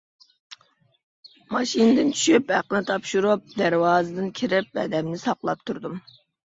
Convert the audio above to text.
ماشىنىدىن چۈشۈپ ھەقنى تاپشۇرۇپ دەرۋازىدىن كىرىپ ھەدەمنى ساقلاپ تۇردۇم.